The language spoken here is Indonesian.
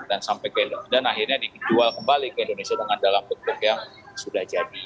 dan akhirnya dijual kembali ke indonesia dengan dalam bentuk yang sudah jadi